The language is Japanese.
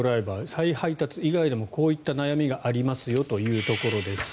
再配達以外でもこういった悩みがありますというところです。